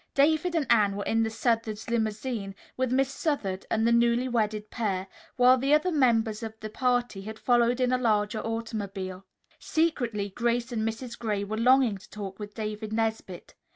David and Anne were in the Southards' limousine with Miss Southard and the newly wedded pair, while the other members of the party had followed in a larger automobile. Secretly, Grace and Mrs. Gray were longing to talk with David Nesbit.